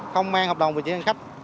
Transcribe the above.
không mang hợp đồng vận chuyển hành khách